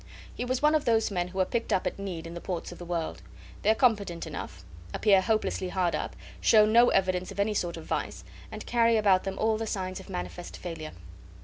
He was one of those men who are picked up at need in the ports of the world. They are competent enough, appear hopelessly hard up, show no evidence of any sort of vice, and carry about them all the signs of manifest failure.